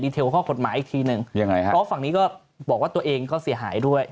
เทลข้อกฎหมายอีกทีหนึ่งยังไงฮะเพราะฝั่งนี้ก็บอกว่าตัวเองก็เสียหายด้วย